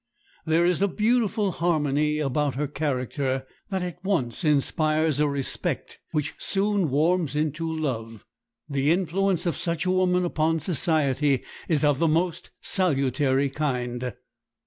There is a beautiful harmony about her character that at once inspires a respect which soon warms into love. The influence of such a woman upon society is of the most salutary kind.